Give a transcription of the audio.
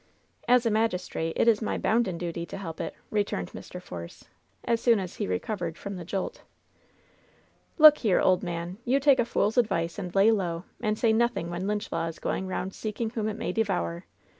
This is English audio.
"As a magistrate, it is my bounden duty to help it," returned Mr. Force, as soon as he recovered from the jolt. "Look here, ole man ! You take a fool's advice and lay low and say nothing when lynch law is going round seeking whom it may devour